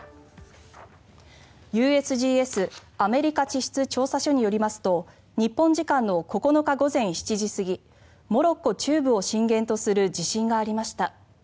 ＵＳＧＳ・アメリカ地質調査所によりますと日本時間の９日午前７時過ぎモロッコ中部を震源とする地震がありました。